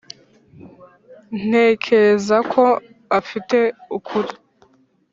ntekereza ko afite ukuri.